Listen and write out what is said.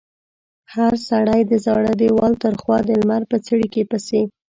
هر سړي د زاړه دېوال تر خوا د لمر په څړیکې پسې.